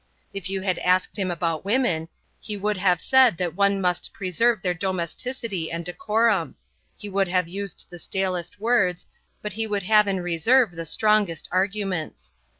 If you had asked him about women, he would have said that one must preserve their domesticity and decorum; he would have used the stalest words, but he would have in reserve the strongest arguments.